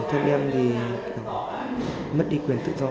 ở thiếu niên em thì kiểu mất đi quyền tự do